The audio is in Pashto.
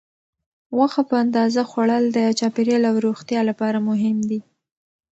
غوښه په اندازه خوړل د چاپیریال او روغتیا لپاره مهم دي.